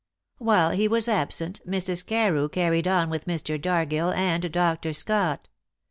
While he was absent Mrs. Carew carried on with Mr. Dargill and Dr. Scott.